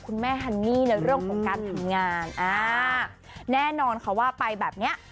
คุณแม่ฮันนี่ในเรื่องของการทำงานอ่าแน่นอนค่ะว่าไปแบบเนี้ย